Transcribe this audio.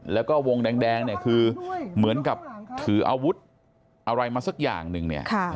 แล้วก็วงแดงเนี่ยคือเหมือนกับถืออาวุธอะไรมาสักอย่างหนึ่งเนี่ย